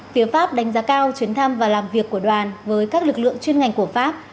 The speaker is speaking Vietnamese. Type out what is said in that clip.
phía pháp đánh giá cao chuyến thăm và làm việc của đoàn với các lực lượng chuyên ngành của pháp